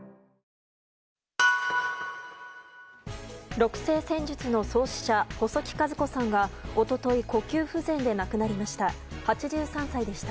六星占術の創始者細木数子さんが一昨日、呼吸不全で亡くなりました。